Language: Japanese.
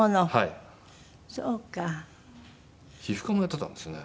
皮膚科もやってたんですね。